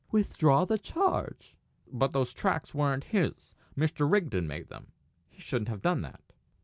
"Withdraw the charge!" "But those tracks weren't his. Mr. Rigden made them. He shouldn't have done that."